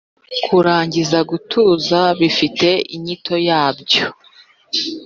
kurangiza gutuza bifite inyito yabyo